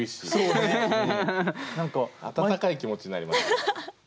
温かい気持ちになります。